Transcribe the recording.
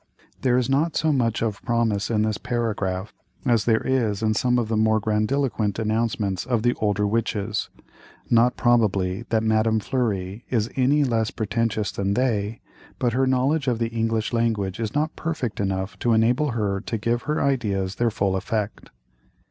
There is not so much of promise in this paragraph, as there is in some of the more grandiloquent announcements of the other witches—not probably, that Madame Fleury is any less pretentious than they, but her knowledge of the English language is not perfect enough to enable her to give her ideas their full effect.